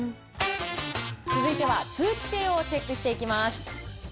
続いては通気性をチェックしていきます。